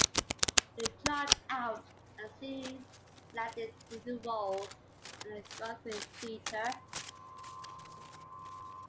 He dropped out and soon landed leading roles at the Guthrie Theater.